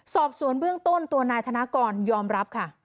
สอบสวนเบื้องต้นตัวนายธนากรยอมรับค่ะ